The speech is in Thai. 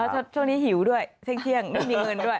ช่วงนี้หิวด้วยเที่ยงไม่มีเงินด้วย